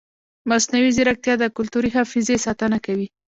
مصنوعي ځیرکتیا د کلتوري حافظې ساتنه کوي.